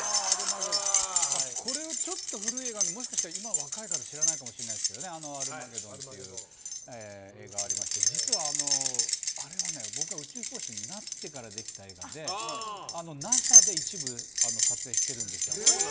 これはちょっと古い映画なので今の若い方は知らないかもしれませんが「アルマゲドン」っていう映画ありましたけど実は、あれは僕が宇宙飛行士になってからできた映画なのでＮＡＳＡで一部撮影してるんですよ。